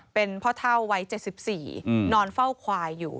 เป็นพ่อเท่าวัย๗๔นอนเฝ้าควายอยู่